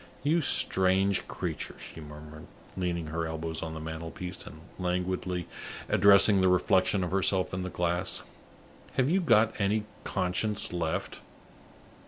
"You strange creature!" she murmured, leaning her elbows on the mantelpiece, and languidly addressing the reflection of herself in the glass. "Have you got any conscience left?